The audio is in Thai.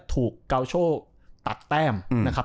ถูกกาวโชคตัดแต้มนะครับ